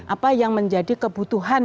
apa yang menjadi kebutuhan